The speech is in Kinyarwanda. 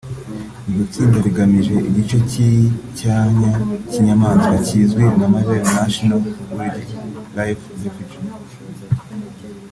Iryo tsinda ryigabije igice cy’icyanya cy’inyamaswa kizwi nka Malheur National Wildlife Refuge